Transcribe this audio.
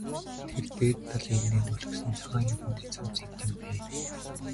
Тэр дээд талын эгнээнд өлгөсөн цагаан юүдэнтэй цамц хэд юм бэ?